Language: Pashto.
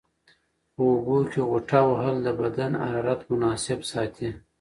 په اوبو کې غوټه وهل د بدن حرارت مناسب ساتي.